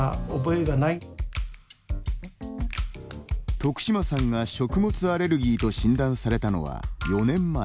徳島さんが、食物アレルギーと診断されたのは、４年前。